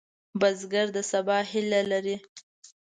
بزګر د سبا هیله لري